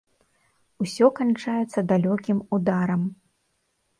Усё канчаецца далёкім ударам.